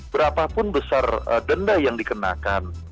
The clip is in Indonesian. berapapun besar denda yang dikenakan